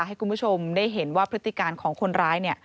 ให้คุณผู้ชมได้เห็นว่าพฤติการของคนร้าย